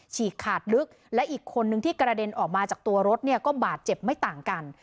ฉีกขาดลึกและอีกคนนึงที่กระเด็นออกมาจากตัวรถเนี่ยก็บาดเจ็บไม่ต่างกัน